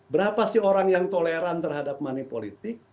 berapa sih orang yang toleran terhadap money politik